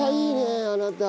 あなた。